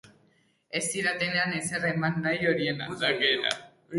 Ez zidatenan ezer eman nahi horien aldera.